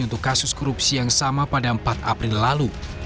untuk kasus korupsi yang sama pada empat april lalu